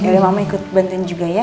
udah mama ikut bantuin juga ya